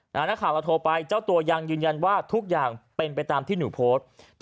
นักข่าวเราโทรไปเจ้าตัวยังยืนยันว่าทุกอย่างเป็นไปตามที่หนูโพสต์